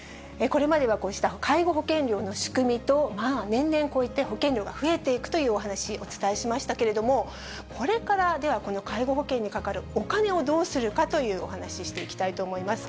これまではこうした介護保険料の仕組みと、年々こういって保険料が増えていくというお話、お伝えしましたけれども、これから、では介護保険にかかるお金をどうするかというお話、していきたいと思います。